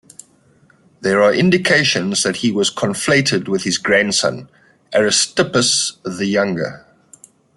There are indications that he was conflated with his grandson, Aristippus the Younger.